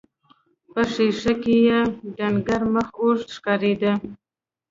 په ښيښه کې يې ډنګر مخ اوږد ښکارېده.